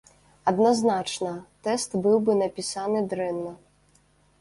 Адназначна, тэст быў бы напісаны дрэнна.